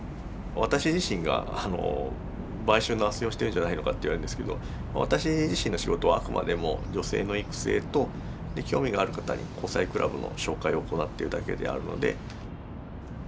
私自身が売春のあっせんをしてるんじゃないのかって言われるんですけど私自身の仕事はあくまでも女性の育成と興味がある方に交際クラブの紹介を行ってるだけであるので。